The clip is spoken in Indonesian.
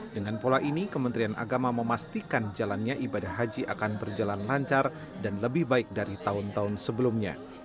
dengan pola ini kementerian agama memastikan jalannya ibadah haji akan berjalan lancar dan lebih baik dari tahun tahun sebelumnya